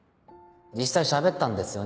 実際喋ったんですよね？